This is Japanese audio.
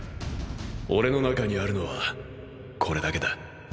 俺の中にあるのはこれだけだ。